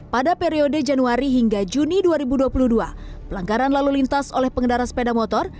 pada periode januari hingga juni dua ribu dua puluh dua pelanggaran lalu lintas oleh pengendara sepeda motor